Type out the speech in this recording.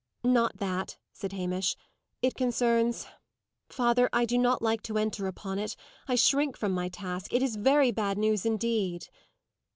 "Not that," said Hamish. "It concerns Father, I do not like to enter upon it! I shrink from my task. It is very bad news indeed."